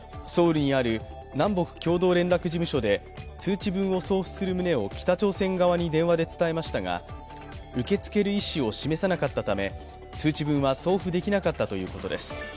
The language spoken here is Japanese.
ソウルにある南北共同連絡事務所で通知文を送付する意思を北朝鮮側に電話で伝えましたが、受け取る意思を示さなかったため通知文は送付できなかったということです。